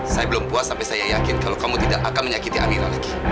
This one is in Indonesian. saya belum puas sampai saya yakin kalau kamu tidak akan menyakiti amira lagi